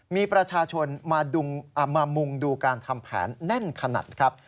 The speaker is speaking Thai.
มีประชาชนมามุงดูการทำแผนแน่นขนาดครับ